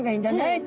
って。